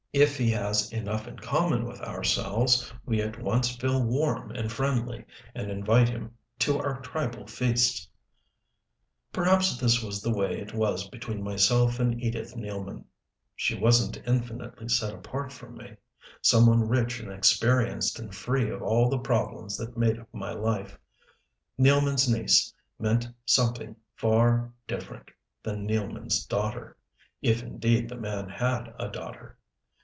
If he has enough in common with ourselves we at once feel warm and friendly, and invite him to our tribal feasts. Perhaps this was the way it was between myself and Edith Nealman. She wasn't infinitely set apart from me some one rich and experienced and free of all the problems that made up my life. Nealman's niece meant something far different than Nealman's daughter if indeed the man had a daughter.